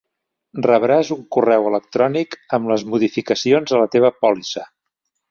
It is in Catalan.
Rebràs un correu electrònic amb les modificacions a la teva pòlissa.